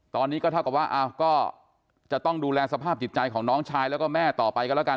ตอนนี้ก็เท่ากับว่าก็จะต้องดูแลสภาพจิตใจของน้องชายแล้วก็แม่ต่อไปกันแล้วกัน